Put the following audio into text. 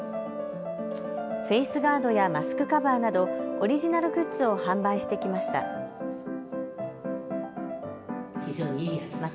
フェースガードやマスクカバーなどオリジナルグッズを販売してきました。